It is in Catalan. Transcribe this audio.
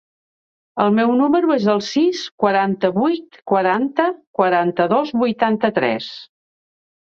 El meu número es el sis, quaranta-vuit, quaranta, quaranta-dos, vuitanta-tres.